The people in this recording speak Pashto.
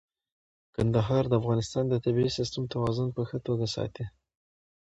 کندهار د افغانستان د طبیعي سیسټم توازن په ښه توګه ساتي.